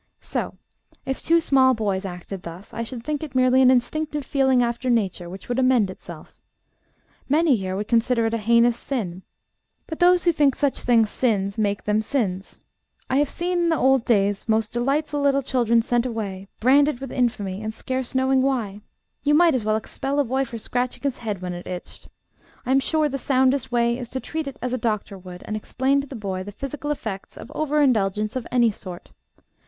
So, if two small boys acted thus, I should think it merely an instinctive feeling after Nature, which would amend itself. Many here would consider it a heinous sin, but those who think such things sins make them sins. I have seen, in the old days, most delightful little children sent away, branded with infamy, and scarce knowing why you might as well expel a boy for scratching his head when it itched. I am sure the soundest way is to treat it as a doctor would, and explain to the boy the physical effects of over indulgence of any sort.